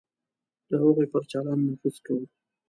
د هغوی پر چلند نفوذ کوو.